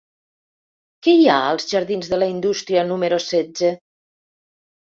Què hi ha als jardins de la Indústria número setze?